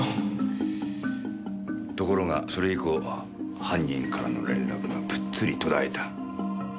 ところがそれ以降犯人からの連絡がぷっつり途絶えた。